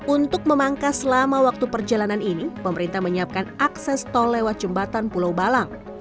untuk memangkas selama waktu perjalanan ini pemerintah menyiapkan akses tol lewat jembatan pulau balang